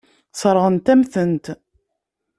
Sseṛɣent-am-tent.